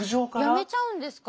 やめちゃうんですか？